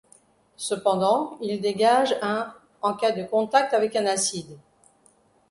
Cependant, il dégage un en cas de contact avec un acide.